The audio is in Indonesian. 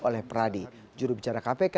oleh pradi juru bicara kpk